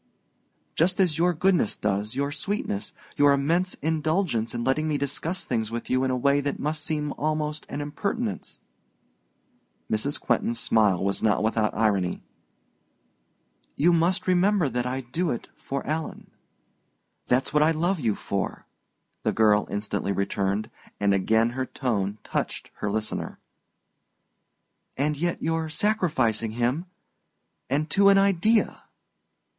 "Just as your goodness does, your sweetness, your immense indulgence in letting me discuss things with you in a way that must seem almost an impertinence." Mrs. Quentin's smile was not without irony. "You must remember that I do it for Alan." "That's what I love you for!" the girl instantly returned; and again her tone touched her listener. "And yet you're sacrificing him and to an idea!"